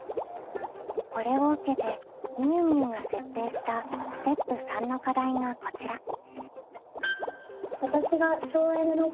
これを受けてみゆみゆが設定したステップ③の課題がこちら。